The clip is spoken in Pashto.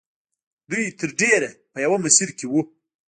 دوی تر ډېره په یوه مسیر کې وو